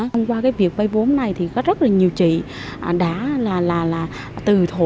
thông qua cái việc bây vốn này thì có rất là nhiều chị đã là là là từ thổ